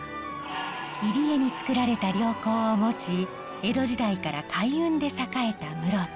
入り江につくられた良港を持ち江戸時代から海運で栄えた室津。